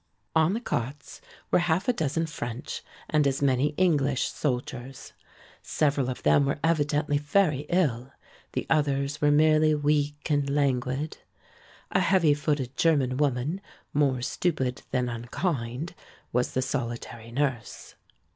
On the cots were half a dozen French and as many English soldiers. Several of them were evidently very ill, the others were merely weak and languid. A heavy footed German woman, more stupid than unkind, was the solitary nurse.